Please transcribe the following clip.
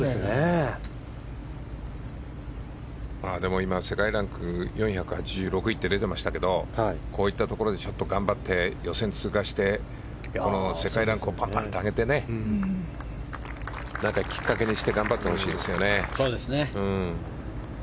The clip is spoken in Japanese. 今、世界ランク４８６位って出てましたけどこういったところで頑張って予選通過して世界ランクをパパっと上げてねきっかけにして頑張ってほしいですよね。